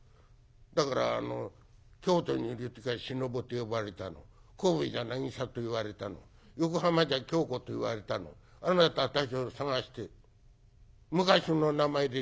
だからあの『京都にいるときゃ忍と呼ばれたの神戸じゃ渚と言われたの横浜じゃきょうこと言われたのあなたたちをさがして昔の名前で出ています』。